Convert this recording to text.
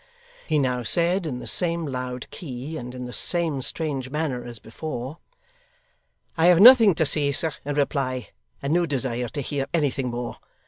He now said, in the same loud key, and in the same strange manner as before: 'I have nothing to say, sir, in reply, and no desire to hear anything more.